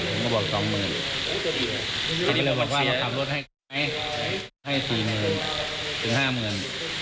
ผมก็บอกสองหมื่นแกก็เลยบอกว่าจะขับรถให้เขาไหมให้สี่หมื่นถึงห้าหมื่น